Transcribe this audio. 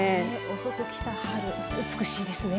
遅くきた春、美しいです。